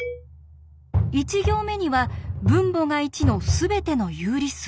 １行目には分母が１のすべての有理数。